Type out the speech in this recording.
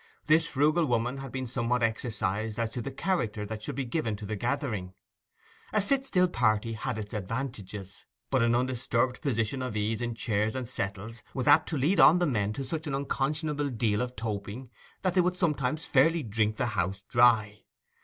This frugal woman had been somewhat exercised as to the character that should be given to the gathering. A sit still party had its advantages; but an undisturbed position of ease in chairs and settles was apt to lead on the men to such an unconscionable deal of toping that they would sometimes fairly drink the house dry.